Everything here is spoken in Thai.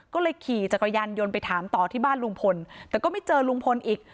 ก็เลยขี่จักรยานยนต์ไปถามต่อที่บ้านลุงพลแต่ก็ไม่เจอลุงพลอีก